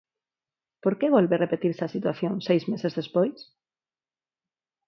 ¿Por que volve repetirse a situación seis meses despois?